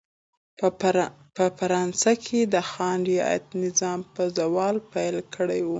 په فرانسه کې د خان رعیت نظام په زوال پیل کړی و.